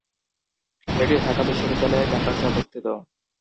এটি ঢাকা বিশ্ববিদ্যালয়ের ক্যাম্পাসে অবস্থিত।